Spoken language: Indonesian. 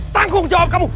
tanggung jawab kamu